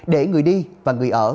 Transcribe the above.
để người đi và người ở